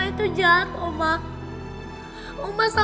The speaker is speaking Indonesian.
ny leo jalan dengan ratenya